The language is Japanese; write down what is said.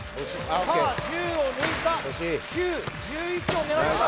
さあ１０を抜いた９１１を狙ってます